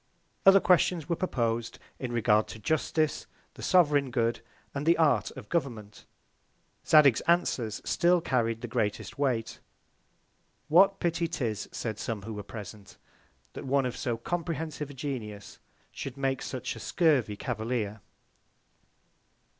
Other Questions were propos'd in regard to Justice, the sovereign Good, and the Art of Government. Zadig's Answers still carried the greatest Weight. What Pity 'tis, said some who were present, that one of so comprehensive a Genius, should make such a scurvy Cavalier?